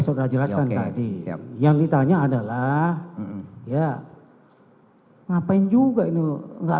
saya akan mencoba untuk mencoba